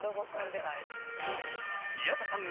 宮田さん